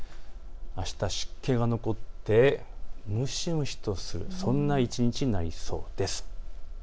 あしたは湿気が残って蒸し蒸しとするそんな一日になりそうです。